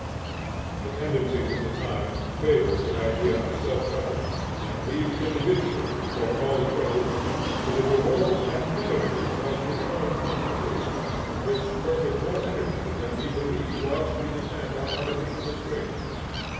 The tendencies of the times favor the idea of self government, and leave the individual, for all code, to the rewards and penalties of his own constitution; which work with more energy than we believe whilst we depend on artificial restraints.